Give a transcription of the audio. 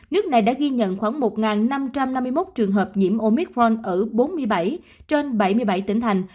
nước này đã ghi nhận khoảng một năm trăm năm mươi một trường hợp nhiễm omicron ở bốn mươi bảy trên bảy mươi bảy tỉnh thành